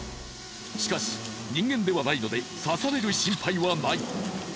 しかし人間ではないので刺される心配はない。